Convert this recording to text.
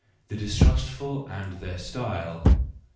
The Distrustful and their Style.